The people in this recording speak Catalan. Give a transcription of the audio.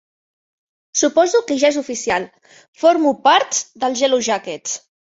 Suposo que ja és oficial: formo parts dels Yellowjackets!